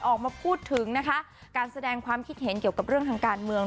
ออกมาพูดถึงนะคะการแสดงความคิดเห็นเกี่ยวกับเรื่องทางการเมือง